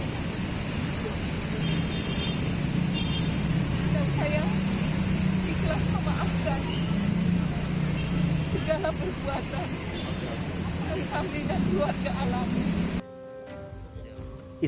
dan saya ikhlas memaafkan segala perbuatan dari kami dan keluarga alami